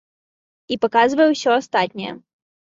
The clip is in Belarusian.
І паказвае ўсё астатняе.